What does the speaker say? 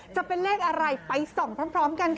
จะเป็นเลขอะไรไปส่องพร้อมกันค่ะ